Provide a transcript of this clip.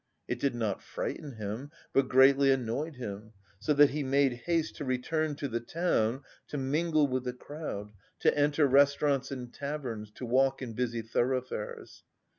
It did not frighten him, but greatly annoyed him, so that he made haste to return to the town, to mingle with the crowd, to enter restaurants and taverns, to walk in busy thoroughfares.